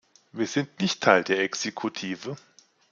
Wir sind nicht Teil der Exekutive.